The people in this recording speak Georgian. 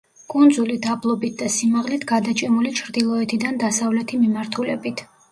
კუნძული დაბლობით და სიმაღლით, გადაჭიმული ჩრდილოეთიდან დასავლეთი მიმართულებით.